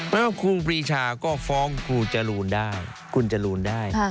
แล้วครูปรีชาก็ฟ้องครูจรุณได้คุณจรุณได้